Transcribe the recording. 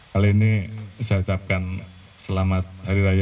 kali ini saya ucapkan selamat hari raya